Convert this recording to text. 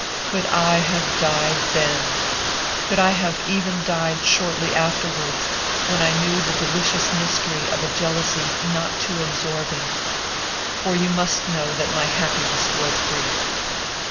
Could I have died then! Could I have even died shortly afterwards, when I knew the delicious mystery of a jealousy not too absorbing! For you must know that my happiness was brief.